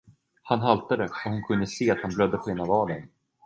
Han haltade, och hon kunde se att han blödde på ena vaden.